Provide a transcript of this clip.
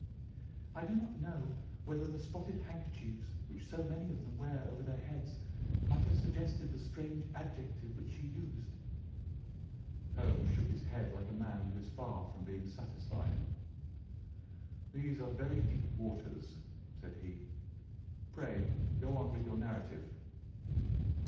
I do not know whether the spotted handkerchiefs which so many of them wear over their heads might have suggested the strange adjective which she used." Holmes shook his head like a man who is far from being satisfied. "These are very deep waters," said he; "pray go on with your narrative."